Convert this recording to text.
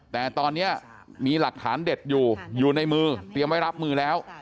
แต่ตอนนี้มีหลักฐานเด็ดอยู่อยู่ในมือเตรียมไว้รับมือแล้ว